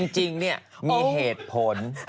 จริงเนี้ยมีเหตุผล